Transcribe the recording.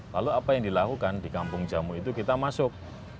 lalu apa yang dilakukan di kampung jamu itu kita masuk